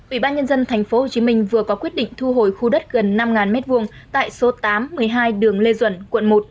ủy ban nhân dân tp hcm vừa có quyết định thu hồi khu đất gần năm m hai tại số tám một mươi hai đường lê duẩn quận một